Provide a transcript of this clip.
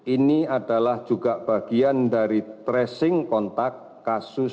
ini adalah juga bagian dari tracing kontak kasus